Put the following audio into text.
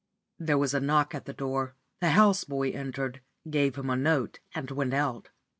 There was a knock at the door. The house boy entered, gave him a note, and went out.